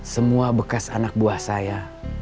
semua bekas anak buah saya